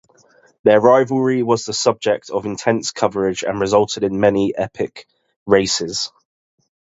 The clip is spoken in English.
Their rivalry was the subject of intense coverage and resulted in many epic races.